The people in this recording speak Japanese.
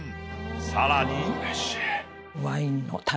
さらに。